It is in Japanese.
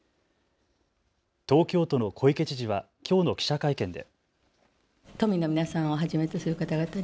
東京都の小池知事はきょうの記者会見で。